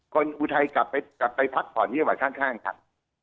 อุทัยกลับไปพักผ่อนที่จังหวัดข้างครับ